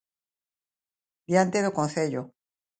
Diante do Concello.